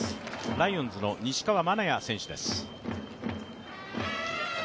ライオンズの西川愛也選手です。